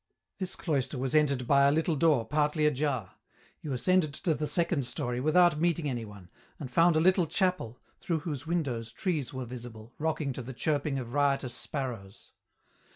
This cloister was entered by a little door, partly ajar ; you ascended to the second storey without meeting anyone, and found a little chapel, through whose windows trees were visible, rocking to the chirping of riotous sparrows.